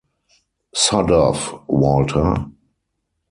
Sod off, Walter!